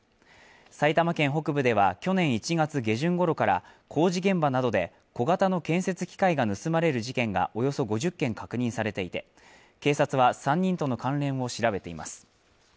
埼玉県北部では去年１月下旬ごろから工事現場などで小型の建設機械が盗まれる事件がおよそ５０件確認されていて、警察は３人との関連を調べています。